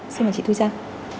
xin mời chị thu trang